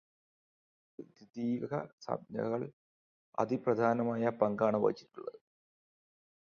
മനുഷ്യന്റെ വളർച്ചയിൽ ദ്വിതീയകസംജ്ഞകൾ അതിപ്രധാനമായ പങ്കാണ് വഹിച്ചിട്ടുള്ളത്.